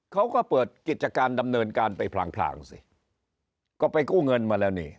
เขาก็เปิดกิจการดำเนินการไปพลางพลางสิก็ไปกู้เงินมาแล้วนี่